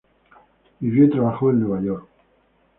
Vivió y trabajó en Nueva York.